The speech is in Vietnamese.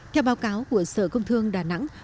theo báo cáo của sở công thương đà nẵng